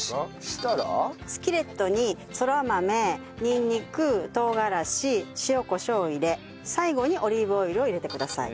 スキレットにそら豆にんにく唐辛子塩コショウを入れ最後にオリーブオイルを入れてください。